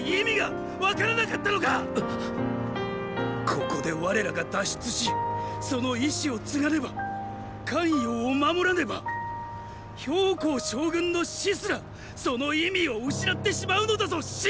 ここで我らが脱出しその意志をつがねば咸陽を守らねば公将軍の死すらその意味を失ってしまうのだぞ信！！！